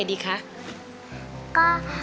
พี่โภค